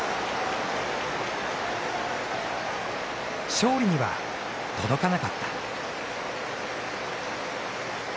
勝利には届かなかった。